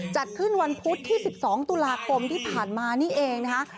จัดขึ้นวันพุธที่๑๒ตุลาคมที่ผ่านมานี่เองนะคะ